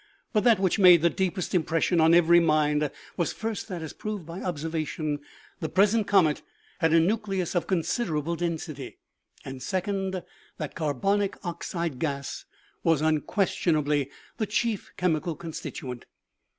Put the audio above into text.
But that which made the deepest impression on every mind was first that, as proved by observation, the present comet had a nucleus of considerable density, and second, that car bonic oxide gas was unquestionably the chief chemical constituent.